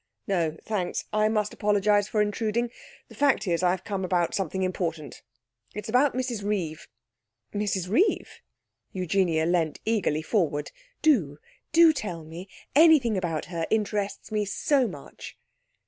'No, thanks. I must apologise for intruding. The fact is I've come about something important. It's about Mrs Reeve.' 'Mrs Reeve?' Eugenia leant eagerly forward. 'Do, do tell me! Anything about her interests me so much.'